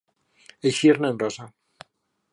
Eixir-ne en rosa.